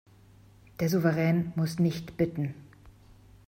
Der Souverän muss nicht bitten.